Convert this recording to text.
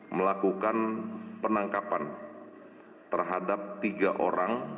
melakukan penangkapan terhadap tiga orang